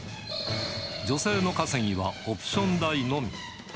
女性の稼ぎはオプション代のみ。